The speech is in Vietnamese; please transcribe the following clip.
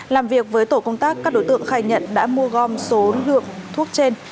làm việc với tổ công tác các đối tượng khai nhận đã mua gom số lượng thuốc trên